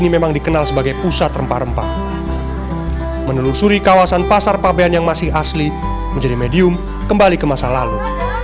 menempah rempah menelusuri kawasan pasar pabean yang masih asli menjadi medium kembali ke masa lalu